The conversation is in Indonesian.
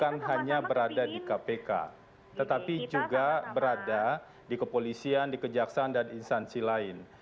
kalau anda ketahui kewenangan melakukan penyadapan itu bukan hanya berada di kpk tetapi juga berada di kepolisian di kejaksaan dan instansi lain